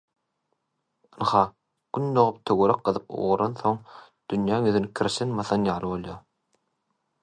Ynha, Gün dogup töwerek gyzyp ugransoň dünýäň ýüzüni kirşen basan ýaly bolar.